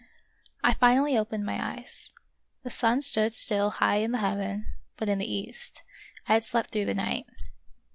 I finally opened my eyes ; the sun stood still high in the heaven, but in the east ; I had slept through the night.